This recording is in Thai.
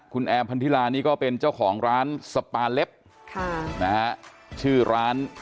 คุณแอมพันธิลานี่ก็เป็นเจ้าของร้านสปาเล็บชื่อร้าน